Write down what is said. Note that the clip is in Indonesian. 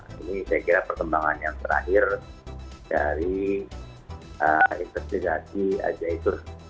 ini saya kira perkembangan yang terakhir dari investigasi al zaitun